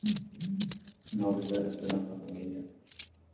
No hables de la esperanza, todavía.